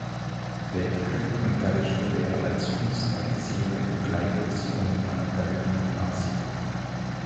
Weltkrieg unterrichtete er als Kunsterzieher in Gleiwitz und anderen Gymnasien.